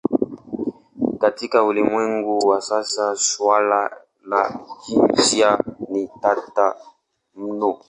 Katika ulimwengu wa sasa suala la jinsia ni tata mno.